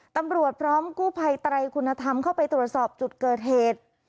ตำรวจพร้อมกู้ภัยไตรคุณธรรมเข้าไปตรวจสอบจุดเกิดเหตุ